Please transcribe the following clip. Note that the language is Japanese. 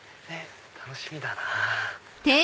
楽しみだな。